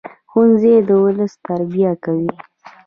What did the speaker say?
ښوونځی د ولس تربیه کوي